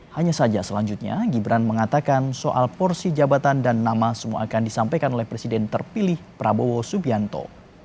hanya saja selanjutnya gibran mengatakan soal porsi jabatan dan nama semua akan disampaikan oleh presiden terpilih prabowo subianto